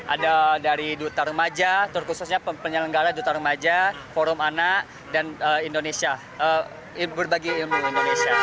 ada dari duta remaja terkhususnya penyelenggara duta remaja forum anak dan indonesia berbagi ilmu indonesia